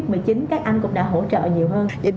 các anh cũng đã hỗ trợ nhiều hơn